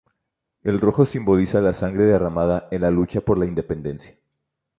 El rojo simboliza la sangre derramada en la lucha por la independencia.